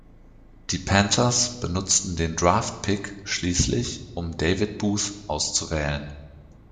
Die Panthers benutzten den Draftpick schließlich um David Booth auszuwählen.